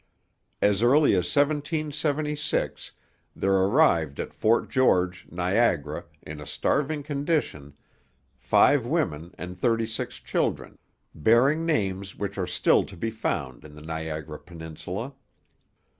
As early as 1776 there arrived at Fort George, Niagara, in a starving condition, five women and thirty six children, bearing names which are still to be found in the Niagara peninsula.